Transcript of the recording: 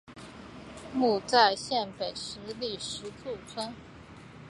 墓在县北十里石柱村。